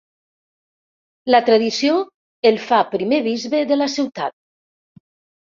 La tradició el fa primer bisbe de la ciutat.